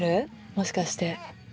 もしかして。